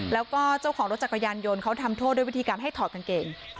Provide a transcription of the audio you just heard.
แล้วก็เจ้าของรถจักรยานยนต์เขาทำโทษด้วยวิธีการให้ถอดกางเกง